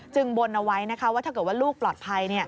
บนเอาไว้นะคะว่าถ้าเกิดว่าลูกปลอดภัย